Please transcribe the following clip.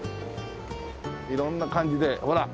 色んな感じでほら。